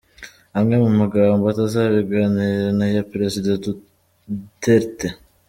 Amwe mu magambo atazibagirana ya Perezida Duterte.